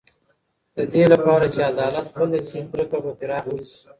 د دې لپاره چې عدالت پلی شي، کرکه به پراخه نه شي.